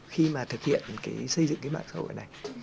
khi mà thực hiện xây dựng mạng xã hội này